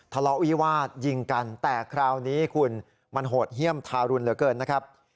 ทะเลาะวิวาสยิงกันแต่คราวนี้คุณมันโหดเยี่ยมทารุณเหลือเกินนะครับ